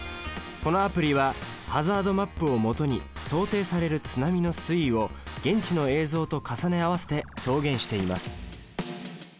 このアプリはハザードマップを基に想定される津波の推移を現地の映像と重ね合わせて表現しています。